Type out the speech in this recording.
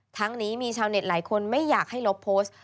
ทั้งนี้มีชาวเน็ตหลายคนไม่อยากให้ลบโพสต์